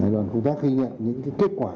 đoàn công tác ghi nhận những kết quả